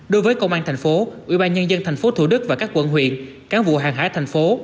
đối với công an tp ủy ban nhân dân tp thủ đức và các quận huyện cán vụ hàng hải tp